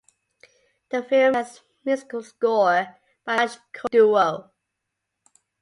The film has musical score by Raj–Koti duo.